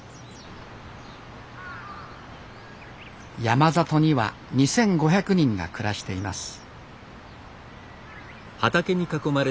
山里には２，５００人が暮らしています